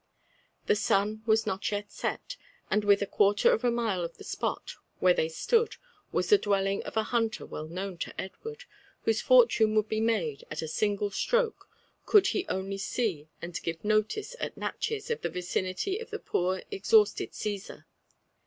The sun was not yet set, and within a quarter of a mile of the spot where they stood was the dwelling of a hunter well known to Edward, whose for tune would be made at a single stroke could he only see and give notice at Natchez of the vicinity of the poor exhausted Caesar.